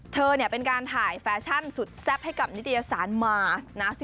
เธอเป็นการถ่ายแฟชั่นสุดแซ่บให้กับนิตยสารมาสนะ